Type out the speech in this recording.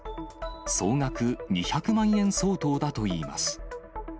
総額２００万円相当だといいます。